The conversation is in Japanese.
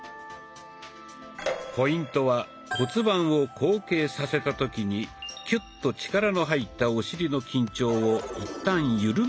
ポイントは骨盤を後傾させた時にキュッと力の入ったお尻の緊張を一旦ゆるめること。